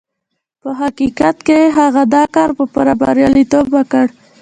په حقيقت کې هغه دا کار په پوره برياليتوب وکړ.